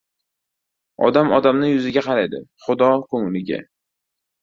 • Odam odamning yuziga qaraydi, Xudo ― ko‘ngliga.